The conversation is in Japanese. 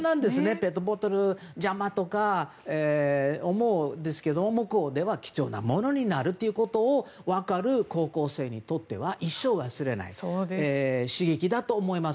ペットボトル邪魔とか思うんですけど向こうでは貴重なものになるということが分かる高校生にとっては一生忘れない刺激だと思います。